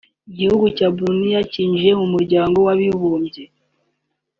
Igihugu cya Brunei cyinjiye mu muryango w’abibumbye